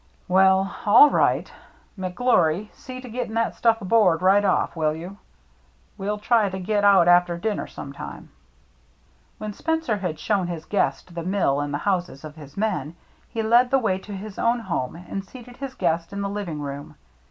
"Well, all right; McGlory, see to getting that stuff aboard right off, will you? We'll try to get out after dinner sometime." When Spencer had shown his guest the mill and the houses of his men, he led the way to his own home and seated his guest in the living room.